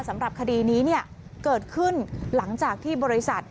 สำหรับคดีนี้เกิดขึ้นหลังจากที่บริษัท